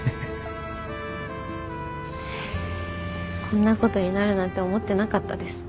こんなことになるなんて思ってなかったです。